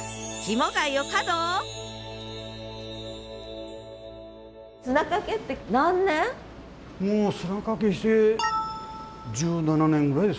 もう砂かけして１７年ぐらいですかね。